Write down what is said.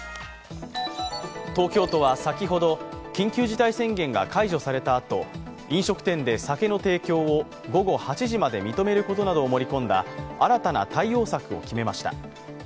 東京都は先ほど、緊急事態宣言が解除されたあと、飲食店で酒の提供を午後８時まで認めることを盛り込んだ新たな対応策を決めました。